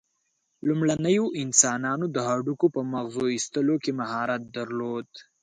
لومړنیو انسانانو د هډوکو په مغزو ایستلو کې مهارت درلود.